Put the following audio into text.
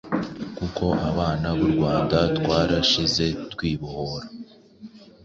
kuko Abana bu Rwanda twarashyize twibohora